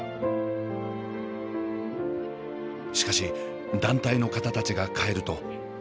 しかし団体の方たちが帰ると。